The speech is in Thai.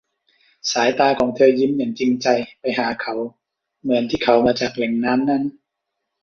สายตาของเธอยิ้มอย่างจริงใจไปหาเขา เหมือนที่เขามาจากแหล่งน้ำนั้น